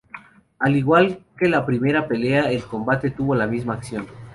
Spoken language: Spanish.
Al igual que la primera pelea, el combate tuvo la misma acción.